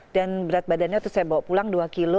dan berat badannya tuh saya bawa pulang dua kilo